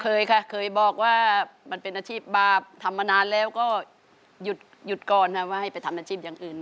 เคยค่ะเคยบอกว่ามันเป็นอาชีพบาปทำมานานแล้วก็หยุดก่อนค่ะว่าให้ไปทำอาชีพอย่างอื่น